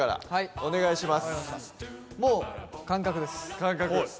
お願いいたします。